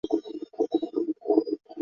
魔女阵营荷丽歌恩一族